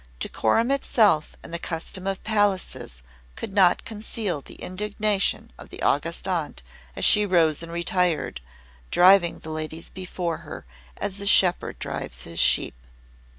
Decorum itself and the custom of Palaces could not conceal the indignation of the August Aunt as she rose and retired, driving the ladies before her as a shepherd drives his sheep.